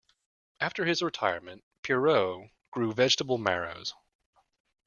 After his retirement, Poirot grew vegetable marrows.